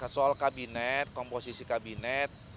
soal kabinet komposisi kabinet